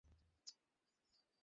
কী ভালো শিকারী!